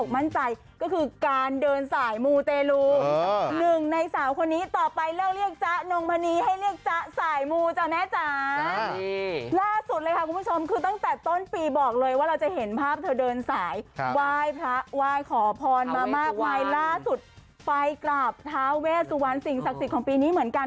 ไปกับทาเวสวรรค์สิ่งศักดิ์สิทธิ์ของปีนี้เหมือนกัน